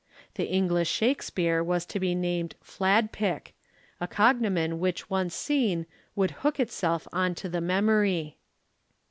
The English Shakespeare was to be named Fladpick, a cognomen which once seen would hook itself on to the memory.